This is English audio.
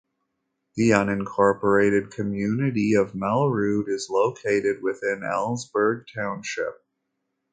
The unincorporated community of Melrude is located within Ellsburg Township.